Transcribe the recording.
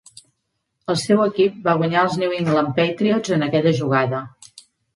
El seu equip va guanyar els New England Patriots en aquella jugada.